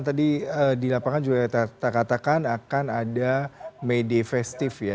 tadi di lapangan juga terkatakan akan ada media festif ya